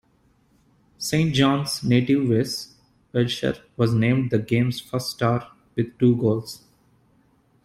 Saint John's native Wes Welcher was named the game's first star with two goals.